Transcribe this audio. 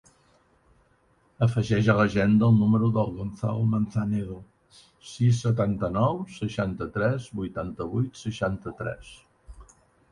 Afegeix a l'agenda el número del Gonzalo Manzanedo: sis, setanta-nou, seixanta-tres, vuitanta-vuit, seixanta-tres.